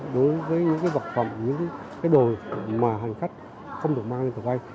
đối với những vật phẩm những đồ mà hành khách không được mang lên tàu bay